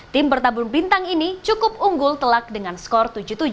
tim bertabung bintang ini cukup unggul telak dengan skor tujuh puluh tujuh lima puluh delapan